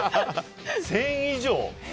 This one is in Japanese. １０００以上。